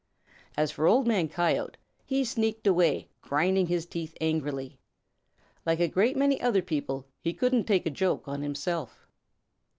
As for Old Man Coyote, he sneaked away, grinding his teeth angrily. Like a great many other people, he couldn't take a joke on himself.